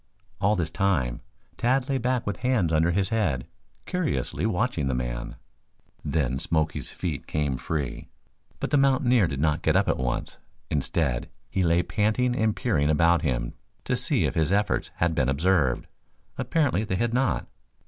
All this time Tad lay back with hands under his head, curiously watching the man. Then Smoky's feet came free, but the mountaineer did not get up at once. Instead, he lay panting and peering about him to see if his efforts had been observed. Apparently they had not.